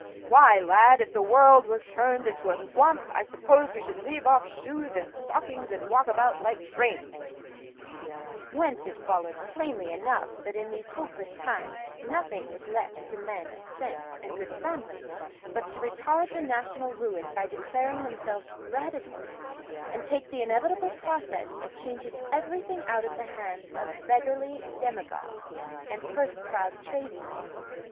"Why, lad, if the world was turned into a swamp, I suppose we should leave off shoes and stockings, and walk about like cranes" whence it followed plainly enough that, in these hopeless times, nothing was left to men of sense and good family but to retard the national ruin by declaring themselves Radicals, and take the inevitable process of changing everything out of the hands of beggarly demagogues and purse proud tradesmen.